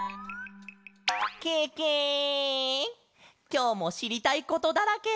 きょうもしりたいことだらけ！